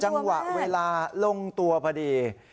จังหวะเวลาลงตัวพอดี